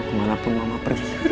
kemana pun mama pergi